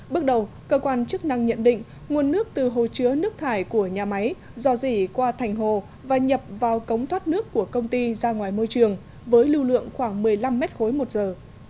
bước đầu cơ quan chức năng nhận định nguồn nước từ hồ chứa nước thải của nhà máy dò dỉ qua thành hồ và nhập vào cống thoát nước của công ty ra ngoài môi trường với lưu lượng khoảng một mươi năm mét khối một giờ